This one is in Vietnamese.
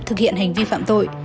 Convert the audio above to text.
thực hiện hành vi phạm tội